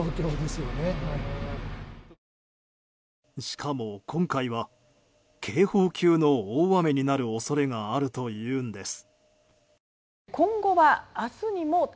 しかも、今回は警報級の大雨になる恐れがあるというんです。